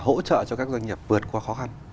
hỗ trợ cho các doanh nghiệp vượt qua khó khăn